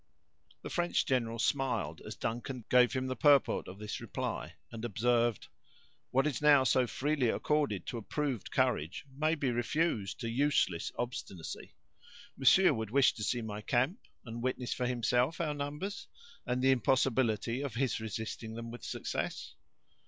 The French general smiled, as Duncan gave him the purport of this reply, and observed: "What is now so freely accorded to approved courage, may be refused to useless obstinacy. Monsieur would wish to see my camp, and witness for himself our numbers, and the impossibility of his resisting them with success?"